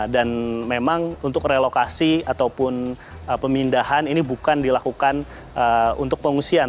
memang untuk relokasi ataupun pemindahan ini bukan dilakukan untuk pengungsian